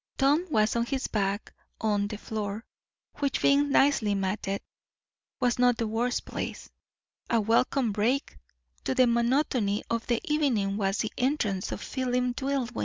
Tom was on his back on the floor, which, being nicely matted, was not the worst place. A welcome break to the monotony of the evening was the entrance of Philip Dillwyn.